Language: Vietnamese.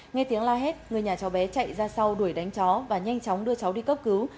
nghe tiếng la hét người nhà cháu bé chạy ra sau đuổi đánh chó và nhanh chóng đưa cháu đi cấp cứu